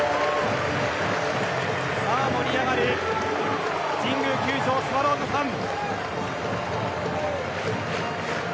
盛り上がる神宮球場スワローズファン。